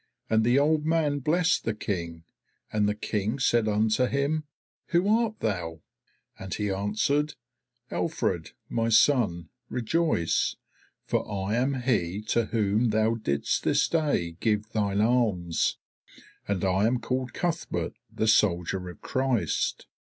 And the old man blessed the King, and the King said unto him, 'Who art thou?' And he answered, 'Alfred, my son, rejoice; for I am he to whom thou didst this day give thine alms, and I am called Cuthberht the soldier of Christ.